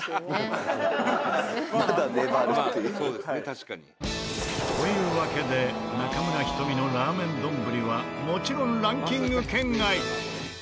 確かに。というわけで中村仁美のラーメン丼はもちろんランキング圏外。